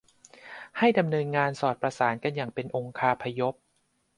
ให้ดำเนินงานสอดประสานกันอย่างเป็นองคาพยพ